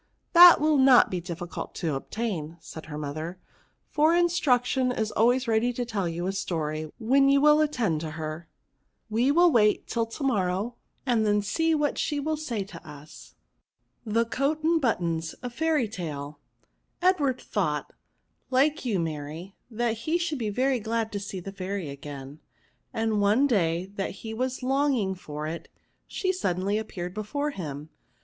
« That will not be difficult to obtain," said her mother ;for Instruction is always ready to tell you a story when you will at tend to her. "We will wait till to morrow, and then see what she will say to us." PtlOKOUKtf< 173 THE COAT AND BUTTONS: A f AIRT TAUE. it Edward thought^ like you Mary, that he should be very glad to see the fairy again ; and one day that he was longing for it^ she sud denly appeared before him.